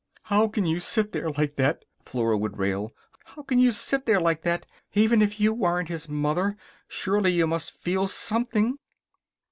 "How can you sit there like that!" Flora would rail. "How can you sit there like that! Even if you weren't his mother, surely you must feel something."